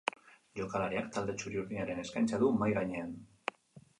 Jokalariak talde txuri-urdinaren eskaintza du mahai gainean.